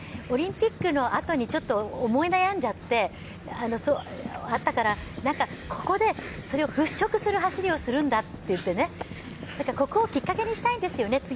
オリンピックのあとにちょっと思い悩んじゃったからここで、それを払拭する走りをするんだっていってここをきっかけにしたいんですよね。